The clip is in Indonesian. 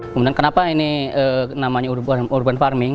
kemudian kenapa ini namanya urban farming